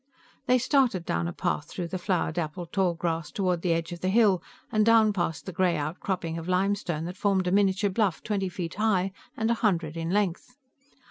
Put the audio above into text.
They started down a path through the flower dappled tall grass toward the edge of the hill, and down past the gray outcropping of limestone that formed a miniature bluff twenty feet high and a hundred in length.